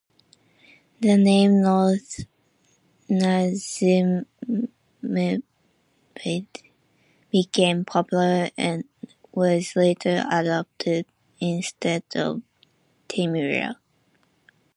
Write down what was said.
The name North Nazimabad became popular and was later adopted instead of Timuria.